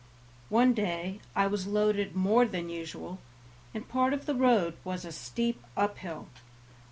One day I was loaded more than usual, and part of the road was a steep uphill.